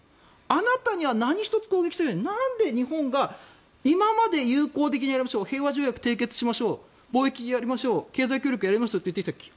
あなたには何一つ攻撃していないのになんで日本が今まで友好的にやりましょう平和条約締結しましょう貿易やりましょう経済協力やりましょうと言っていたのに。